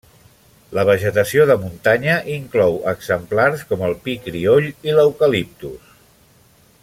La vegetació de muntanya inclou exemplars com el pi crioll i l'eucaliptus.